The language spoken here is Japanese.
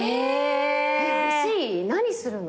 何するの？